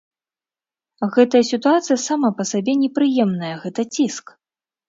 Гэтая сітуацыя сама па сабе непрыемная, гэта ціск.